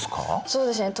そうですね